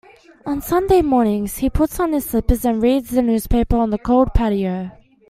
On Sunday mornings, he puts on his slippers and reads the newspaper on the cold patio.